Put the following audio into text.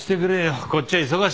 こっちは忙しいんだよ。